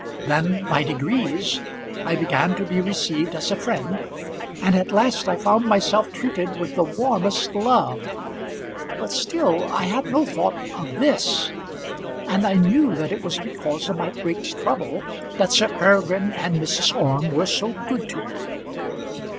Then by degrees I began to be received as a friend, and at last I found myself treated with the warmest love. But still I had no thought of this, and I knew that it was because of my great trouble that Sir Peregrine and Mrs. Orme were so good to me.